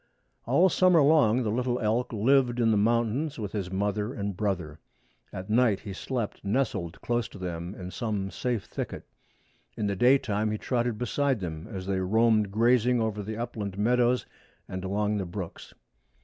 All summer long the little elk lived in the mountains with his mother and brother. At night he slept nestled close to them in some safe thicket. In the daytime he trotted beside them as they roamed grazing over the upland meadows and along the brooks.